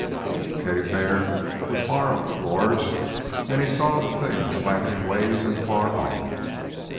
The cave bear was far up the gorge, and he saw the thing slanting ways and far off.